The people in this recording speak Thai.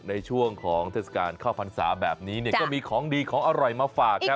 ในช่วงของเทศกาลเข้าพรรษาแบบนี้ก็มีของดีของอร่อยมาฝากครับ